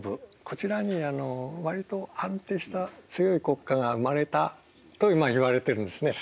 こちらにわりと安定した強い国家が生まれたといわれているんですね。